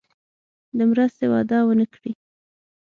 د مرستې وعده ونه کړي.